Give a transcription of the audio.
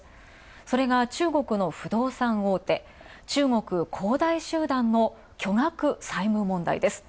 それが中国の不動産大手、中国恒大集団の巨額債務問題です。